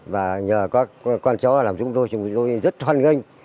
và nhờ các con cháu làm giúp tôi chúng tôi rất hoan nghênh